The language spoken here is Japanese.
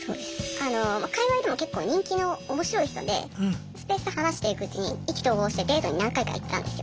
あの界わいでも結構人気の面白い人でスペースで話していくうちに意気投合してデートに何回か行ったんですよ。